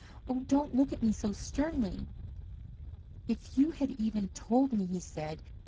Oh, don't look at me so sternly." "If you had even told me," he said.